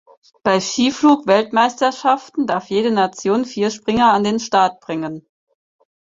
Bei Skiflug-Weltmeisterschaften darf jede Nation vier Springer an den Start bringen.